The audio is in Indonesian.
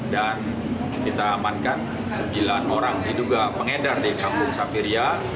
dan kita amankan sembilan orang diduga pengedar di kampung sapiria